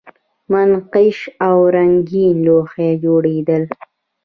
منقش او رنګین لوښي جوړیدل